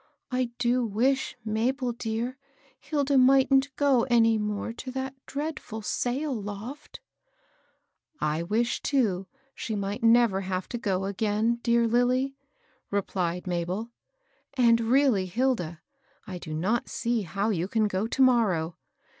I do wish, Mabel dear, Hilda mightn't go any more to that dreadfiil sail loft I "" I wish, too, she might never have to go again, dear Lilly," replied Mabel. And really, Hilda, I do not see how you can go to morrow.